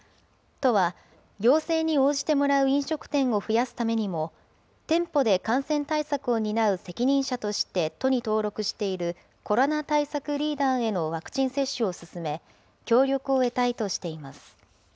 都は、要請に応じてもらう飲食店を増やすためにも、店舗で感染対策を担う責任者として都に登録しているコロナ対策リーダーへのワクチン接種を進め、協力を得たいとしています。